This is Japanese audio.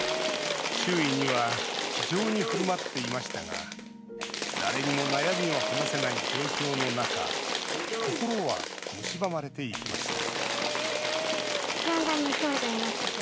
周囲には気丈にふるまっていましたが誰にも悩みを話せない状況の中心はむしばまれていきました